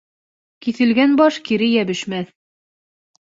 Киҫелгән баш кире йәбешмәҫ.